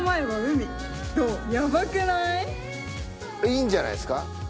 いいんじゃないすか？